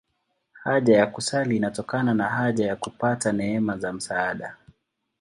Haja ya kusali inatokana na haja ya kupata neema za msaada.